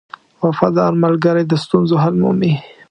• وفادار ملګری د ستونزو حل مومي.